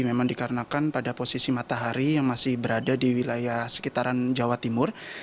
memang dikarenakan pada posisi matahari yang masih berada di wilayah sekitaran jawa timur